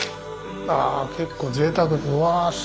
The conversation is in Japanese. あ結構ぜいたくうわ